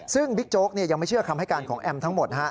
ซึ่งบิ๊กโจ๊กยังไม่เชื่อคำให้การของแอมทั้งหมด